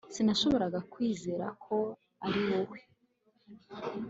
Sinashoboraga kwizera ko ariwowe